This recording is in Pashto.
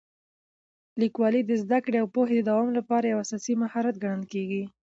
لیکوالی د زده کړې او پوهې د دوام لپاره یو اساسي مهارت ګڼل کېږي.